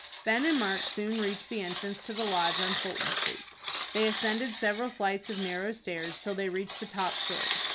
Ben and Mark soon reached the entrance to the Lodge on Fulton Street. They ascended several flights of narrow stairs till they reached the top story.